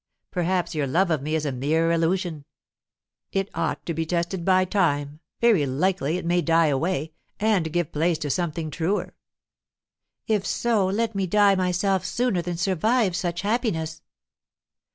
perhaps your love of me is a mere illusion. It ought to be tested by time; very likely it may die away, and give place to something truer." "If so let me die myself sooner than survive such happiness!"